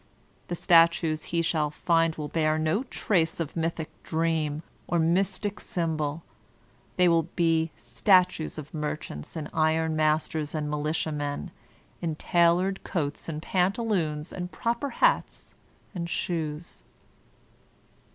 The statues he shall find will bear no trace of mythic dream or mystic symbol; they will be statues of merchants and iron masters and militiamen, in tailored coats and pantaloons and proper hats and shoes.